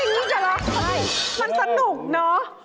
อ๋ออย่างนี้เดี๋ยวหรอมันสนุกเนอะ